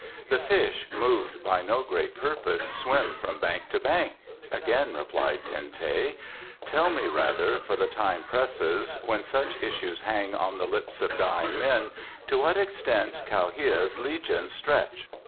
"The fish, moved by no great purpose, swim from bank to bank," again replied Ten teh. "Tell me rather, for the time presses when such issues hang on the lips of dying men, to what extent Kha hia's legions stretch?"